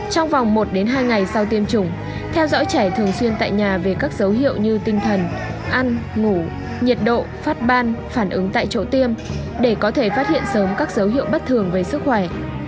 trong vòng một hai ngày sau tiêm chủng theo dõi trẻ thường xuyên tại nhà về các dấu hiệu như tinh thần ăn ngủ nhiệt độ phát ban phản ứng tại chỗ tiêm để có thể phát hiện sớm các dấu hiệu bất thường về sức khỏe